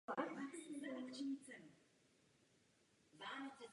Také přenáší velmi důležité zprávy.